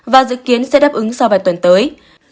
và dự kiến sẽ đáp ứng sau vài tuần tới